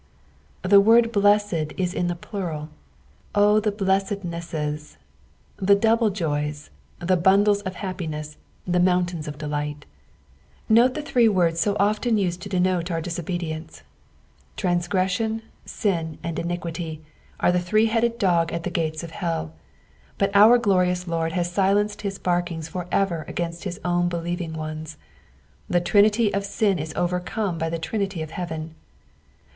^' The word blessed is in the plural, oh, the hlemedntaet! the double joys, tiie bundles of happiness, the mountains of delight ! Note the three words so often used to denote our disobedieoce : Inmgrcssion, sin, and iniquity, are the three headed dog at the gates of hell, but our glorious Lord has silenced bis barkings for ever against liis own believing ones. The trinity of sin is overcome by the Trinity of heaven.